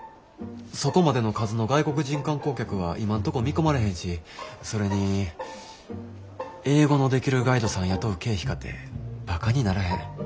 そこまでの数の外国人観光客は今んとこ見込まれへんしそれに英語のできるガイドさん雇う経費かてばかにならへん。